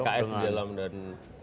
karena ada pks di dalam dan